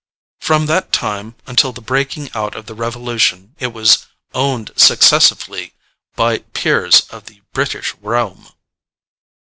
From that time until the breaking out of the Revolution it was "owned successively by peers of the British realm."